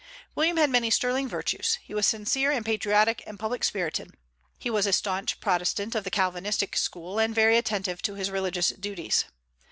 William had many sterling virtues; he was sincere and patriotic and public spirited; he was a stanch Protestant of the Calvinistic school, and very attentive to his religious duties.